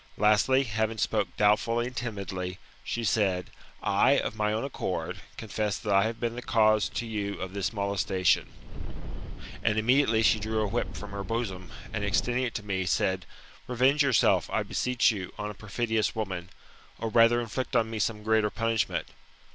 Lastly, having spoke doubtfully and timidly, she said, I, of my own accord, confess that I have been the cause to you of this molestation; and immediately she drew a whip from her bosom, and extending it to me, said, Revenge yourself, I beseech you, on a perfidious woman, or rather inflict on me some greater punishment.